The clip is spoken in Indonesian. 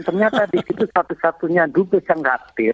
ternyata acara jam satu